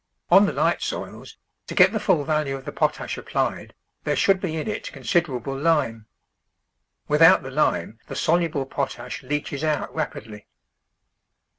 On the light soils, to get the full value of the potash applied, there should be in it considerable THE VEGETABLE GARDEN lime. Without the lime the soluble potash leaches out rapidly.